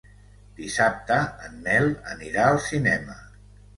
Dissabte en Nel anirà al cinema.